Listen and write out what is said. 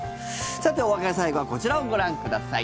さて、お別れ最後はこちらをご覧ください。